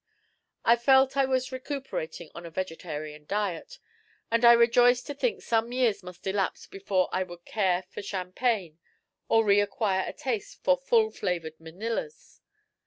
I felt I was recuperating on a vegetarian diet, and I rejoiced to think some years must elapse before I would care for champagne or re acquire a taste for full flavoured Manillas.